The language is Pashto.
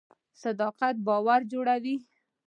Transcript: صداقت باور جوړوي